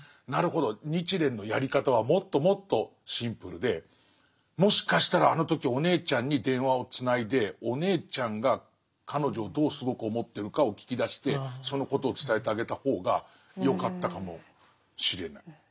なるほど日蓮のやり方はもっともっとシンプルでもしかしたらあの時お姉ちゃんに電話をつないでお姉ちゃんが彼女をどうすごく思ってるかを聞き出してそのことを伝えてあげた方がよかったかもしれない。